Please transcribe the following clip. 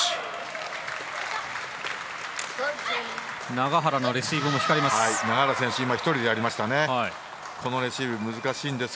永原のレシーブも光ります。